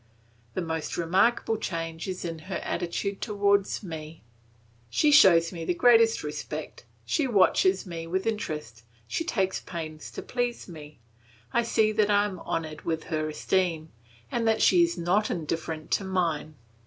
The most remarkable change is in her attitude towards me. She shows me the greatest respect, she watches me with interest, she takes pains to please me; I see that I am honoured with her esteem, and that she is not indifferent to mine.